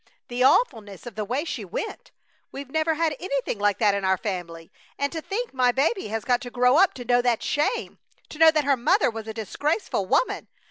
The awfulness of the way she went! We've never had anything like that in our family. And to think my baby has got to grow up to know that shame! To know that her mother was a disgraceful woman!